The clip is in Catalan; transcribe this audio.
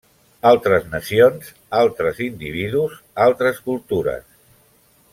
Altres nacions, altres individus, altres cultures.